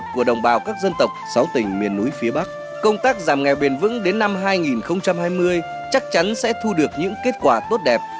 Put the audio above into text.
công tác giảm nghèo bền vững đến năm hai nghìn hai mươi chắc chắn sẽ thu được những kết quả tốt đẹp